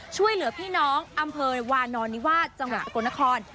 ช่วยเหลือพี่น้องอำเภอวานอนนิวาสจังหวัดสกลนคร